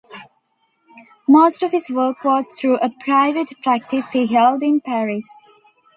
Most of his work was through a private practice he held in Paris.